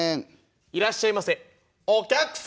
「いらっしゃいませ」。